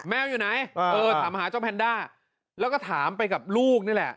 แมวอยู่ไหนเออถามหาเจ้าแพนด้าแล้วก็ถามไปกับลูกนี่แหละ